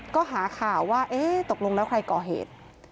ก็หาข่าวว่าเอ๊ะตกลงแล้วใครก่อเหตุ